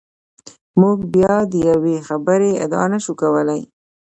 موږ بیا د یوې خبرې ادعا نشو کولای.